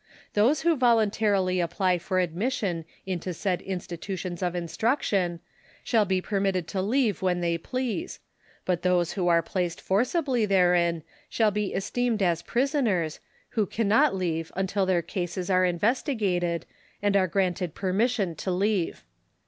Those who voluntarily apply for admission into said institutions of instruction shall be permitted to leave when they please ; but those who are placed forcibly therein shall be esteemed as prisoners, who cannot leave until their cases are investigated, and are granted permission to leave.